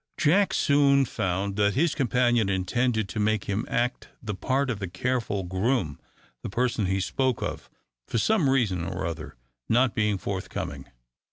Jack soon found that his companion intended to make him act the part of the careful groom, the person he spoke of, for some reason or other, not being forthcoming.